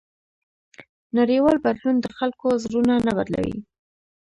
نړیوال بدلون د خلکو زړونه نه بدلوي.